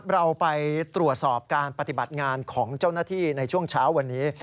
เราไปตรวจสอบการปฏิบัติงานของเจ้าหน้าที่ในช่วงเช้าวันนี้